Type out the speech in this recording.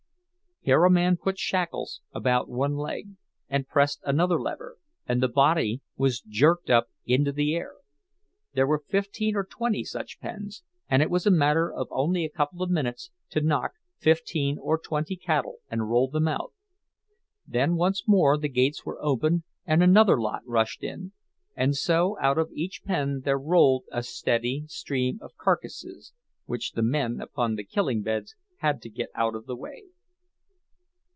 Here a man put shackles about one leg, and pressed another lever, and the body was jerked up into the air. There were fifteen or twenty such pens, and it was a matter of only a couple of minutes to knock fifteen or twenty cattle and roll them out. Then once more the gates were opened, and another lot rushed in; and so out of each pen there rolled a steady stream of carcasses, which the men upon the killing beds had to get out of the way.